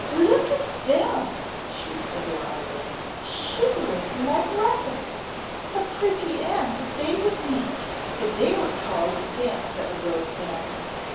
"Look at them!" shrieked the virago, "shivering like rabbits. A pretty end they would make if they were called to dance at a rope's end.